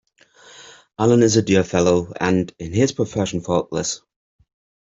Allan is a dear fellow, and in his profession faultless.